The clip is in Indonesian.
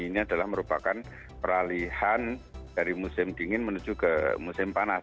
ini adalah merupakan peralihan dari musim dingin menuju ke musim panas